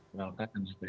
kenalkan saya pak jokowi